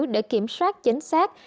để kiểm soát chính xác